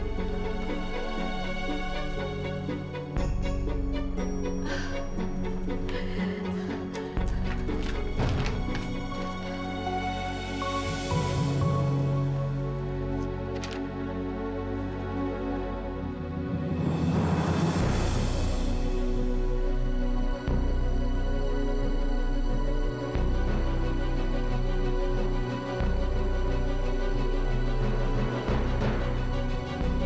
kemana sih pak hena